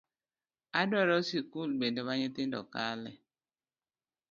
Adwaro sikul bende ma nyithindo kale